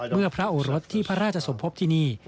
เมื่อพระโอรสที่พระราชสมภพที่นี่